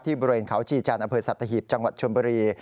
ที่บริเวณเขาชีจันทร์อเผิดสัตวิทย์จังหวัดชนบรี